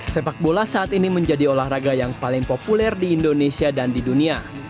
sepak bola saat ini menjadi olahraga yang paling populer di indonesia dan di dunia